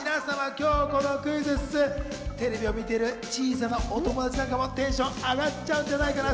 今日のクイズッス、テレビを見ている小さなお友達なんかもテンションあがっちゃうんじゃないのかな。